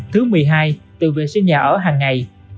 thứ một mươi hai tự vệ sinh nhà ở hàng ngày